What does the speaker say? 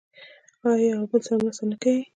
آیا او یو بل سره مرسته نه کوي؟